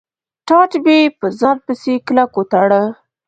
ټاټ مې په ځان پسې کلک و تاړه.